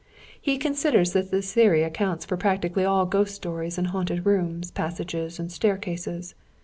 He considers that this theory accounts for practically all ghost stories and haunted rooms, passages, and staircases.